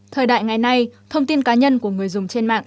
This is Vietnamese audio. thời đại ngày nay thông tin cá nhân của người dùng trên mạng